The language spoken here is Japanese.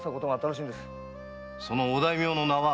そのお大名の名は？